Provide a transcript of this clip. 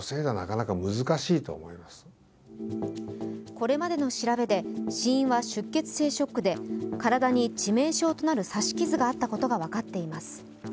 これまでの調べで死因は出血性ショックで体に致命傷となる刺し傷があったことが分かっています。